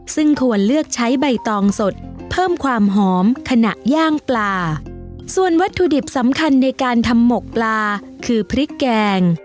ซึ่งควรเลือกใช้ใบตองสดเพิ่มความหอมขณะย่างปลาส่วนวัตถุดิบสำคัญในการทำหมกปลาคือพริกแกง